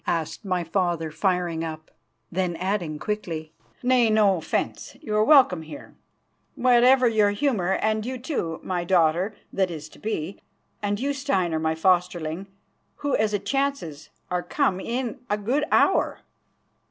asked my father, firing up, then adding quickly: "Nay, no offence; you are welcome here, whatever your humour, and you too, my daughter that is to be, and you, Steinar, my fosterling, who, as it chances, are come in a good hour."